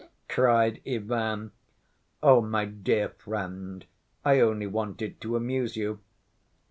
cried Ivan. "My dear friend, I only wanted to amuse you.